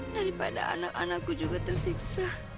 daripada anak anakku juga tersiksa